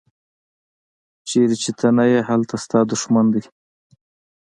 چیرې چې ته نه یې هلته ستا دوښمن دی.